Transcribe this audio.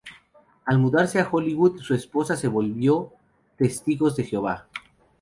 Al mudarse a Hollywood su esposa se volvió Testigos de Jehová.